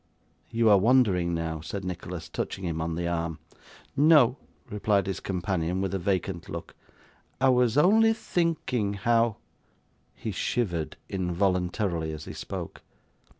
'You are wandering now,' said Nicholas, touching him on the arm. 'No,' replied his companion, with a vacant look 'I was only thinking how ' He shivered involuntarily as he spoke.